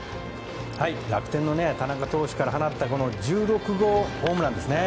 楽天の田中投手から放ったこの１６号ホームランですね。